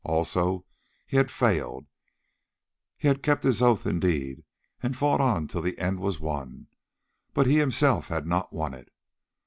Also, he had failed: he had kept his oath indeed and fought on till the end was won, but himself he had not won it.